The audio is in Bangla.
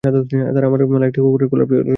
তারা আমার গলায় একটি কুকুরের কলার বেঁধেছিল।